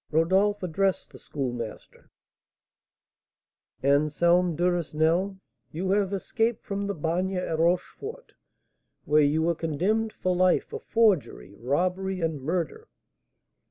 Rodolph addressed the Schoolmaster: "Anselm Duresnel, you have escaped from the Bagne at Rochefort, where you were condemned for life for forgery, robbery, and murder!"